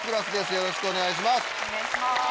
よろしくお願いします。